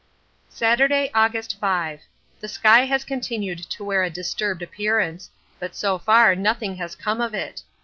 Saturday, August 5. The sky has continued to wear a disturbed appearance, but so far nothing has come of it.